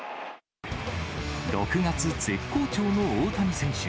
６月、絶好調の大谷選手。